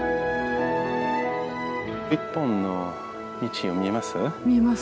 一本の道を見えます？